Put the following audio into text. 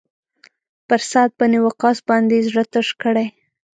پر سعد بن وقاص باندې یې زړه تش کړی.